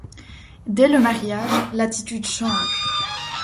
Dès le mariage, l'attitude change.